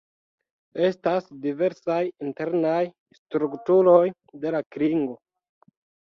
Estas diversaj internaj strukturoj de la klingo.